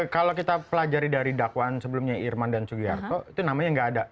kalau kita pelajari dari dakwaan sebelumnya irman dan sugiharto itu namanya nggak ada